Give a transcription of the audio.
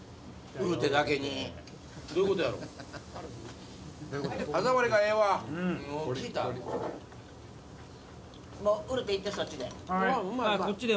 ウルテいってそっちで。